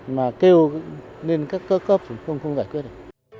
mà kêu nên các cơ cấp cũng không giải quyết được